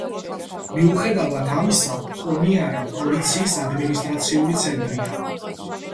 მიუხედავად ამისა ჰონიარა პროვინციის ადმინისტრაციული ცენტრია.